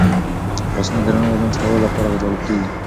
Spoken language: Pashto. لاسونه د رڼا د لمس کولو لپاره غځول کېږي.